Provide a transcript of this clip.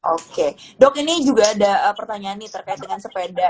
oke dok ini juga ada pertanyaan nih terkait dengan sepeda